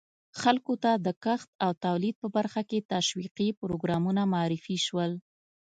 خلکو ته د کښت او تولید په برخه کې تشویقي پروګرامونه معرفي شول.